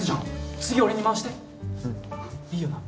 次俺に回していいよな？